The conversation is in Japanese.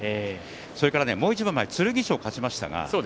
それからもう一番前、剣翔が勝ちました。